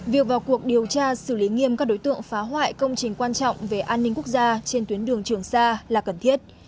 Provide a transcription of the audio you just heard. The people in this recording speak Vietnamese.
việc vào cuộc điều tra xử lý nghiêm các đối tượng phá hoại công trình quan trọng về an ninh quốc gia trên tuyến đường trường sa là cần thiết